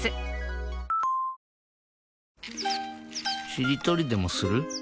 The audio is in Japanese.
しりとりでもする？